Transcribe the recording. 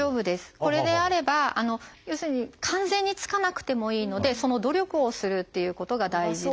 これであれば要するに完全につかなくてもいいのでその努力をするっていうことが大事で。